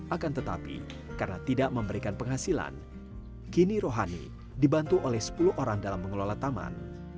akan tetapi karena tidak memberikan penghasilan kini rohani dibantu oleh sepuluh orang dalam mengelola taman